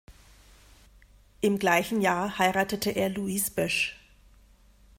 Im gleichen Jahr heiratete er Louise Bösch.